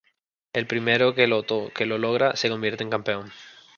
El primero que lo logra se convierte en el campeón.